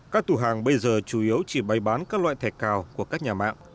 các tủ hàng bây giờ chủ yếu chỉ bày bán các loại thẻ cào của các nhà mạng